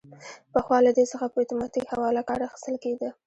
پخوا له دې څخه په اتوماتیک حواله کار اخیستل کیده.